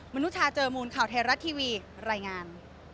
นุชาเจอมูลข่าวไทยรัฐทีวีรายงาน